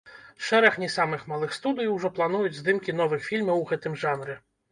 Шэраг не самых малых студый ужо плануюць здымкі новых фільмаў у гэтым жанры.